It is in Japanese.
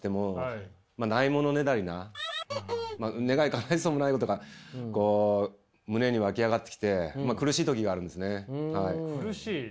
かないそうもないことが胸にわき上がってきて苦しい時があるんですね。